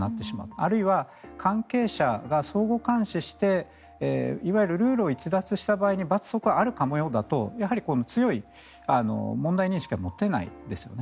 あるいは関係者が相互監視していわゆるルールを逸脱した場合に罰則があるようだとやはり強い問題認識は持てないですよね。